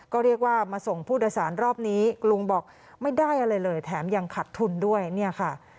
ก็เรียกว่ามาส่งผู้โดยสารรอบนี้ลุงบอกไม่ได้อะไรเลยแถมยังขัดทุนด้วยเนี่ยค่ะ